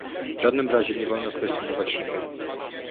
W żadnym razie nie wolno kwestionować Schengen